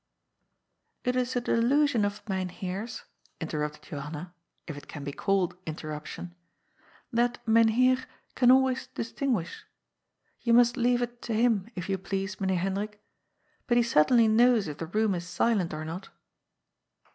^^ It is a delusion of Myn Heer's," interrupted Johanna — if it can be called interruption — ^that Myn Heer can always distinguish. You must leave it to him, if you please, Meneer Hendrik. But he certainly knows if the room is silent or not."